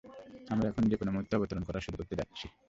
আমরা এখন যে কোনো মুহূর্তে অবতরণ করা শুরু করতে যাচ্ছি।